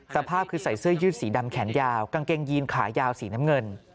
สภาพคือใส่เสื้อยืดสีดำแขนยาวกางเกงยีนขายาวสีน้ำเงิน